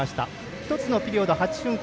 １つのピリオド８分間。